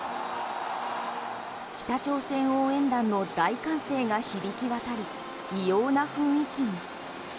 北朝鮮応援団の大歓声が響き渡り異様な雰囲気に。